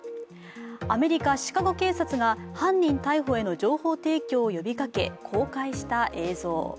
アメリカ・シカゴ警察が犯人逮捕への情報提供を呼びかけ公開した映像。